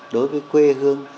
đối với quê hương